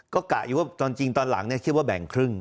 ก็กะอยู่ว่าตอนจริงตอนหลังคิดว่าแบ่งครึ่ง